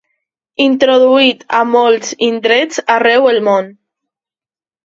Introduït a molts indrets arreu el món.